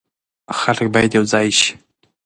خلک باید یو ځای شي.